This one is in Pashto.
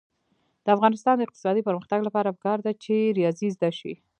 د افغانستان د اقتصادي پرمختګ لپاره پکار ده چې ریاضي زده شي.